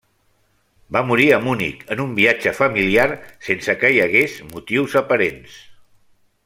Va morir a Munic, en un viatge familiar, sense que hi hagués motius aparents.